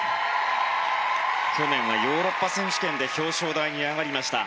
去年はヨーロッパ選手権で表彰台に上がりました。